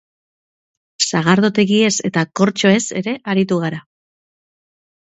Sagardotegiez eta kortxoez ere aritu gara.